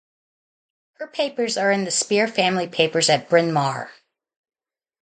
Her papers are in the Speer Family Papers at Bryn Mawr.